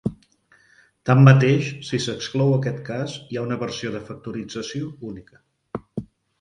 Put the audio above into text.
Tanmateix, si s'exclou aquest cas, hi ha una versió de factorització única.